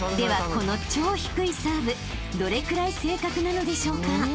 この超低いサーブどれくらい正確なのでしょうか］